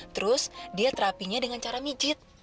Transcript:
terus dia terapinya dengan cara mijit